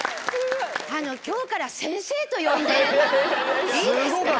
今日から先生と呼んでいいですか？